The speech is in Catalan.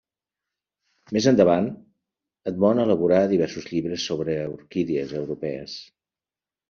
Més endavant, Edmond elaborà diversos llibres sobre orquídies europees.